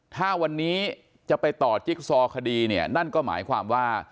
ถ้าวันนี้จะไปต่อจิ๊กซอคดีเนี่ยนั่นก็หมายความว่า